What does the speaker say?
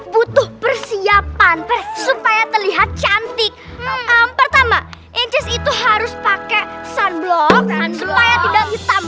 butuh persiapan supaya terlihat cantik pertama itu harus pakai sandblok dan supaya tidak hitam